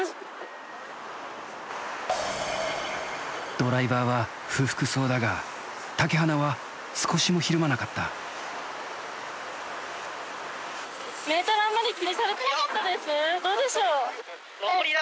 ドライバーは不服そうだが竹鼻は少しもひるまなかったどうでしょう？